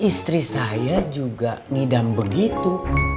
istri saya juga ngidam begitu